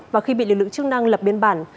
và khi bị lực lượng chức năng lập biên bản